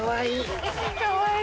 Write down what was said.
かわいい。